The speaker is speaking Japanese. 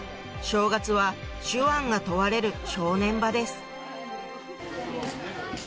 正月は手腕が問われる正念場です